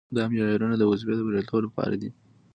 دا معیارونه د وظیفې د بریالیتوب لپاره دي.